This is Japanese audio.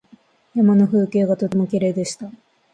山の風景がとてもきれいでした。